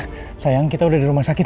sayang kita udah di rumah sakit